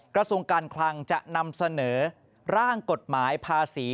กระทรวงการคลังจะนำเสนอร่างกฎหมายภาษี